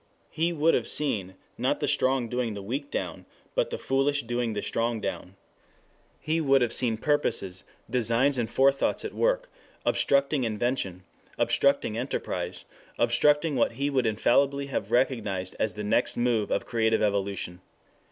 He would have seen, not the strong doing the weak down, but the foolish doing the strong down. He would have seen purposes, designs and forethoughts at work, obstructing invention, obstructing enterprise, obstructing what he would infallibly have recognized as the next move of Creative Evolution.